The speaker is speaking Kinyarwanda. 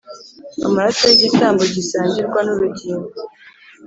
amaraso y’igitambo gisangirwa n’urugimbu